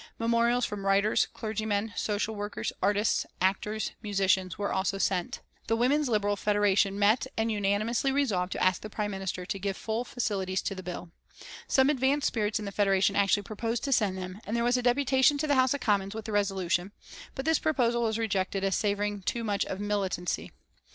Memorials from writers, clergymen, social workers, artists, actors, musicians, were also sent. The Women's Liberal Federation met and unanimously resolved to ask the Prime Minister to give full facilities to the bill. Some advanced spirits in the Federation actually proposed to send then and there a deputation to the House of Commons with the resolution, but this proposal was rejected as savouring too much of militancy.